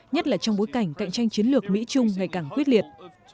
nhất là trong bối cảnh cạnh tranh chiến lược mỹ trung ngày càng quyết liệt